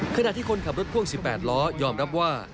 ขณะที่คนขับรถพ่วง๑๘ล้อยอมรับว่า